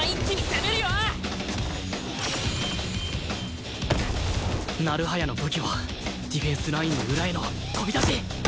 成早の武器はディフェンスラインの裏への飛び出し！